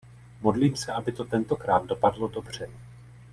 Modlím se, aby to tentokrát dopadlo dobře.